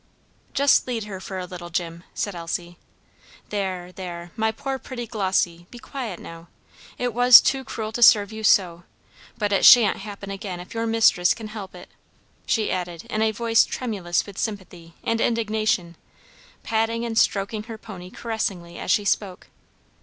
"Just lead her for a little, Jim," said Elsie "There, there! my poor pretty Glossy, be quiet now. It was too cruel to serve you so; but it shan't happen again if your mistress can help it," she added in a voice tremulous with sympathy and indignation, patting and stroking her pony caressingly as she spoke.